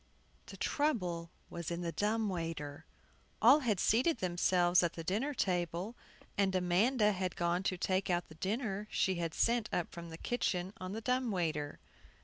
THE trouble was in the dumb waiter. All had seated themselves at the dinner table, and Amanda had gone to take out the dinner she had sent up from the kitchen on the dumb waiter.